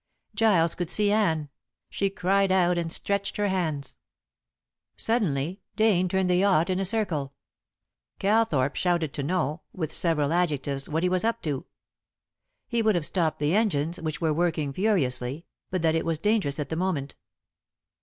Giles could see Anne. She cried out and stretched her hands. Suddenly Dane turned the yacht in a circle. Calthorpe shouted to know, with several adjectives, what he was up to. He would have stopped the engines, which were working furiously, but that it was dangerous at the moment.